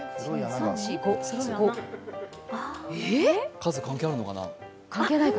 数、関係あるのかな？